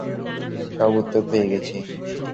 সব উত্তর পেয়ে গেছি।